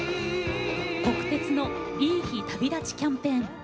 国鉄の「いい日旅立ち」キャンペーン。